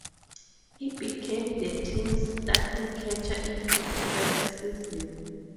He became the team's starting catcher in his first season.